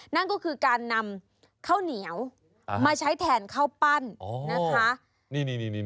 นั่นก็คือการนำข้าวเหนียวมาใช้แทนข้าวปั้นนะคะ